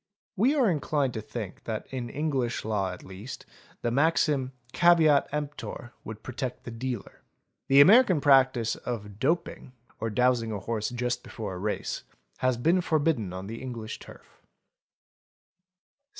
We are inclined to think that in English law at least the maxim caveat emptor would protect the dealer. The | American practice of "doping'', or dosing a horse just before a race, has been forbidden on the English Turf.